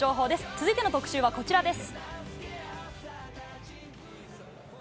続いての特集はこちらです。